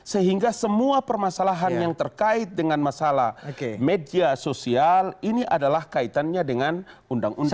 sehingga semua permasalahan yang terkait dengan masalah media sosial ini adalah kaitannya dengan undang undang